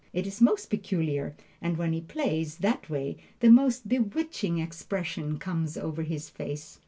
It is most peculiar, and when he plays that way, the most bewitching expression comes over his face.